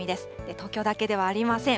東京だけではありません。